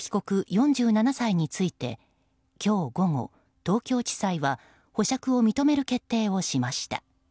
４７歳について今日午後、東京地裁は保釈を認める決定をしました。